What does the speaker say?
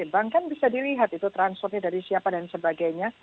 bank kan bisa dilihat transportnya dari siapa dan sebagainya